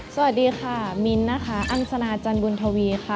สวัสดีค่ะมิ้นนะคะอังสนาจันบุญทวีค่ะ